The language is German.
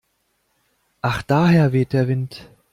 Ach daher weht der Wind.